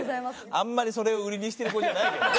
あんまりそれを売りにしてる子じゃないけどね。